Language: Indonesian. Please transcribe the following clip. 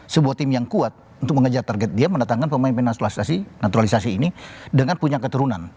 sebuah tim yang kuat untuk mengejar target dia mendatangkan pemain pemain naturalisasi ini dengan punya keturunan